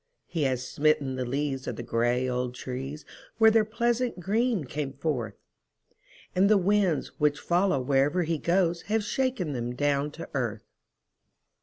He has smitten the leaves of the gray old trees where their pleasant green came forth, And the winds, which follow wherever he goes, have shaken them down to earth.